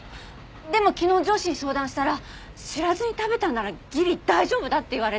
でも昨日上司に相談したら知らずに食べたんならギリ大丈夫だって言われて。